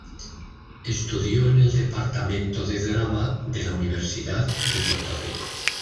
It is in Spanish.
Estudió en el Departamento de Drama de la Universidad de Puerto Rico.